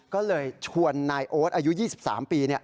ก็เลยชวนนายโอ๊ตอายุ๒๓ปี